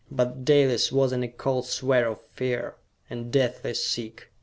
But Dalis was in a cold sweat of fear, and deathly sick.